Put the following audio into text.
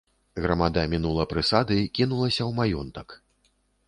Грамада мінула прысады, кінулася ў маёнтак.